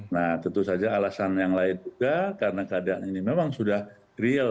nah tentu saja alasan yang lain juga karena keadaan ini memang sudah real